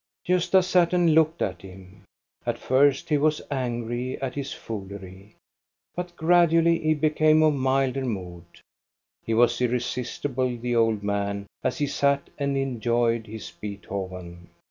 Gosta sat and looked at him. At first he was angry at this foolery, but gradually he became of milder mood He was irresistible, the old man, as he sat and enjoyed his Beethoven.